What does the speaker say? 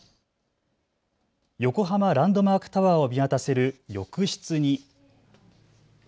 横浜ランドマークタワーを見渡せる浴室に。